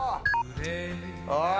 おい！